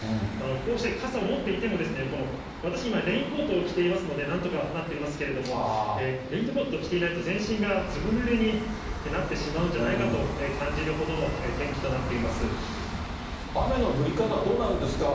こうして傘を持っていても、私、今、レインコートを着ていますので、なんとかなっていますけれども、レインコートを着ていないと、全身がずぶぬれになってしまうんじゃないかと感じるほどの天気と雨の降り方はどうなんですか？